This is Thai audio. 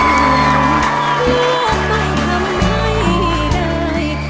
รวมไม่ทำให้ได้